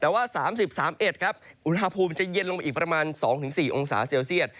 แต่ว่า๓๐๓๑ครับอุณหภูมิจะเย็นลงไปอีกประมาณ๒๔องศาเซลเซียต